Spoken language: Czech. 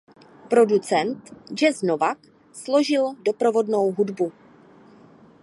Producent Jesse Novak složil doprovodnou hudbu.